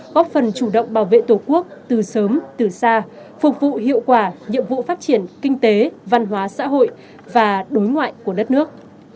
góp phần chủ động bảo vệ tổ quốc từ sớm từ xa phục vụ hiệu quả nhiệm vụ phát triển kinh tế văn hóa xã hội và đối ngoại của đất nước